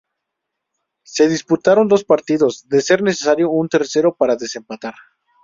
Se disputaron dos partidos, de ser necesario un tercero para desempatar.